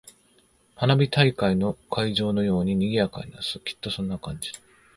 花火大会の会場のように賑やかになる。きっとそんな感じだ。